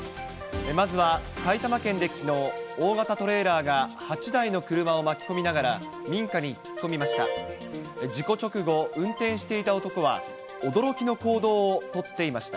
まずは埼玉県できのう、大型トレーラーが８台の車を巻き込みながら民家に突っ込みました。